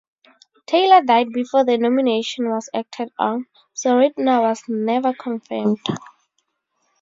Taylor died before the nomination was acted on, so Ritner was never confirmed.